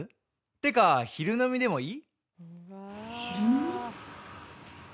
「てか昼飲みでもいい？」